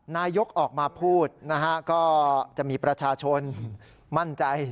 นายกออกมาพูดนะฮะก็จะมีประชาชนมั่นใจ